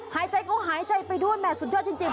หายใจก็หายใจไปด้วยแห่สุดยอดจริง